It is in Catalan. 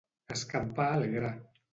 Escampar el gra.